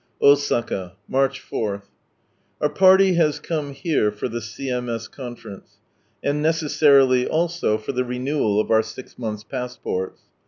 Osaka. March 4. — Our party has come here for the C.M.S. Conference, and (necessarily) also, for the renewal of our six months' passports.